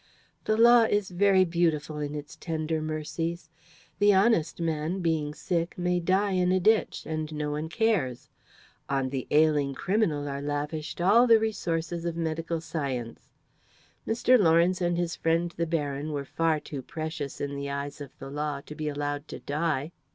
The law is very beautiful in its tender mercies. The honest man, being sick, may die in a ditch, and no one cares. On the ailing criminal are lavished all the resources of medical science. Mr. Lawrence and his friend the Baron were far too precious in the eyes of the law to be allowed to die.